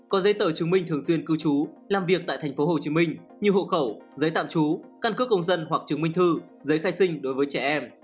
có giấy tờ chứng minh thường xuyên cư trú làm việc tại thành phố hồ chí minh như hộ khẩu giấy tạm trú căn cước công dân hoặc chứng minh thư giấy khai sinh đối với trẻ em